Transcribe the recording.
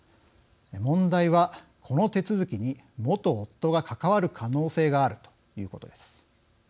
問題は、この手続きに元夫が関わる可能性があるということです。